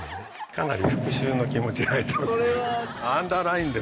かなり復讐の気持ちが入ってますね。